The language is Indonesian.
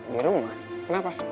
di rumah kenapa